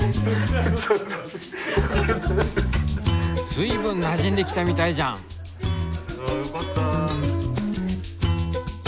随分なじんできたみたいじゃん。よかった。